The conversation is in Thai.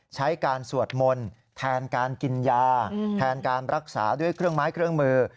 ใช้การสวดมนต์แทนการกินยาแทนการรักษาด้วยเครื่องไม้เครื่องมือ